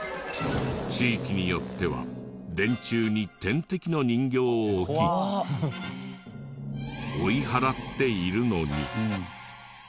地域によっては電柱に天敵の人形を置き追い払っているのに。